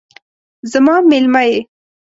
زما میلمه یې